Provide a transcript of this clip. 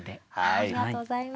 ありがとうございます。